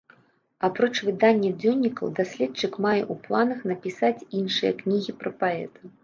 Апроч выдання дзённікаў, даследчык мае ў планах напісаць іншыя кнігі пра паэта.